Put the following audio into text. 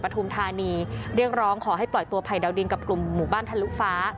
ทุมธานีเรียกร้องขอให้ปล่อยตัวภัยดาวดินกับกลุ่มหมู่บ้านทะลุฟ้า